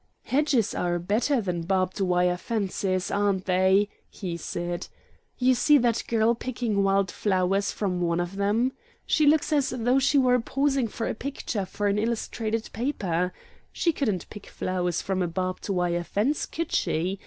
"Hedges are better than barbed wire fences, aren't they?" he said. "You see that girl picking wild flowers from one of them? She looks just as though she were posing for a picture for an illustrated paper. She couldn't pick flowers from a barbed wire fence, could she?